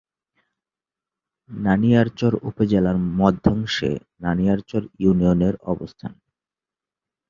নানিয়ারচর উপজেলার মধ্যাংশে নানিয়ারচর ইউনিয়নের অবস্থান।